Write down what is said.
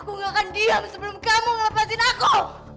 aku gak akan diam sebelum kamu ngelepasin aku